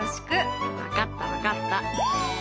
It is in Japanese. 分かった分かった。